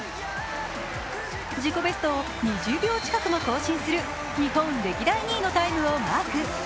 自己ベストを２０秒近くも更新する日本歴代２位のタイムをマーク。